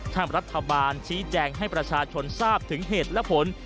ทางรัฐบาลชี้แจงให้ประชาชนทราบถึงเหตุและผล